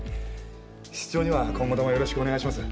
室長には今後ともよろしくお願いします。